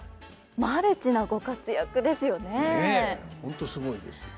マルチなご活躍ですよね。